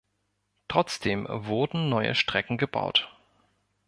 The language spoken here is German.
Trotzdem wurden neue Strecken gebaut.